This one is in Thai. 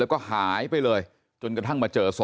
แล้วก็ยัดลงถังสีฟ้าขนาด๒๐๐ลิตร